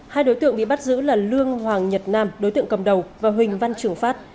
hai đối tượng bị bắt giữ là lương hoàng nhật nam đối tượng cầm đầu và huỳnh văn trường phát